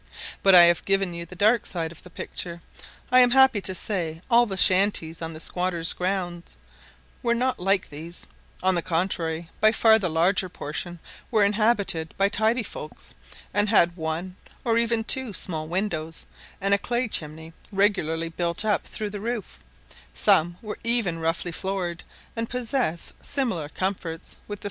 But I have given you the dark side of the picture; I am happy to say all the shanties on the squatters' ground were not like these: on the contrary, by far the larger proportion were inhabited by tidy folks, and had one, or even two small windows, and a clay chimney regularly built up through the roof; some were even roughly floored, and possessed similar comforts with the small log houses.